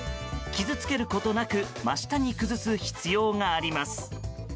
傷つけることなく真下に崩す必要があります。